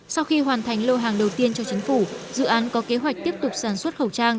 sau khi hoàn thành lô hàng đầu tiên cho chính phủ dự án có kế hoạch tiếp tục sản xuất khẩu trang